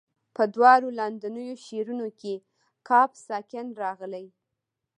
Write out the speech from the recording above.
په دواړو لاندنیو شعرونو کې قاف ساکن راغلی.